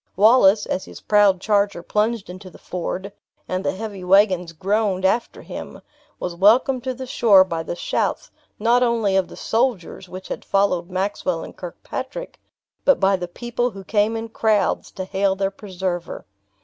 Wallace, as his proud charger plunged into the ford, and the heavy wagons groaned after him, was welcomed to the shore by the shouts, not only of the soldiers which had followed Maxwell and Kirkpatrick, but by the people who came in crowds to hail their preserver.